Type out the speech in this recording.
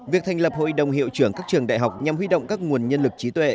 việc thành lập hội đồng hiệu trưởng các trường đại học nhằm huy động các nguồn nhân lực trí tuệ